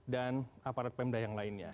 dan aparat pemda yang lainnya